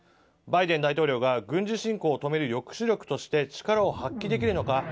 バイデン大統領が軍事侵攻を止める抑止力として力を発揮できるのか。